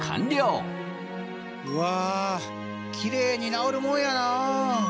きれいに直るもんやな。